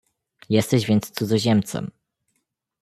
"jesteś więc cudzoziemcem."